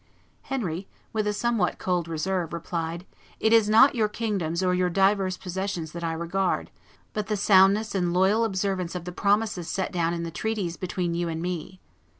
Henry, with a somewhat cold reserve, replied, "It is not your kingdoms or your divers possessions that I regard, but the soundness and loyal observance of the promises set down in the treaties between you and me.